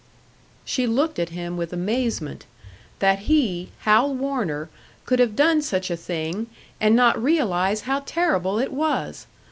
She looked at him with amazement. That he, Hal Warner, could have done such a thing, and not realise how terrible it was!